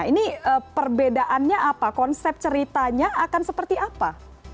ini perbedaannya apa konsep ceritanya akan seperti apa